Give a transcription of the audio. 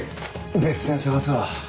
別線捜すわ。